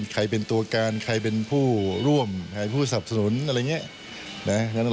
ใครเป็นตัวการใครเป็นผู้ร่วมใครผู้สับสนุนอะไรอย่างนี้